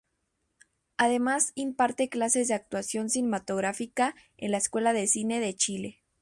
Además imparte clases de actuación cinematográfica en la Escuela de Cine de Chile.